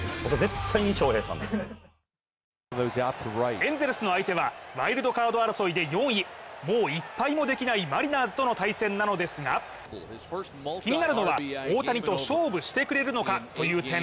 エンゼルスの相手はワイルドカード争いで４位もう１敗もできないマリナーズとの対戦なのですが気になるのは大谷と勝負してくれるのかという点。